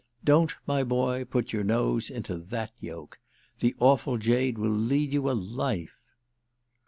Don't, my boy, put your nose into that yoke. The awful jade will lead you a life!"